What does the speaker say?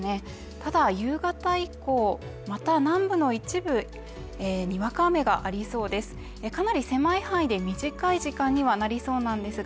ただ夕方以降また南部の一部にわか雨がありそうですね